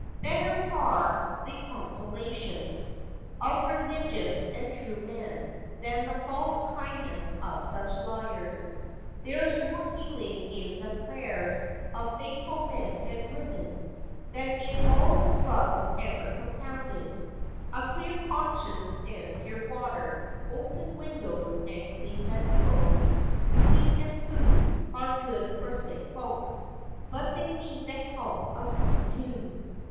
Better far the consolation 76 FACTS AND FANCIES. Of religious and true men, than The false kindness of such liars! There's more healing in the prayers of Faithful men and women, than in All the drugs ever compounded; A clear conscience, and pure water, Open windows, and clean bed clothes, Sleep, and food, are good for sick folks; But they need the help of God, too.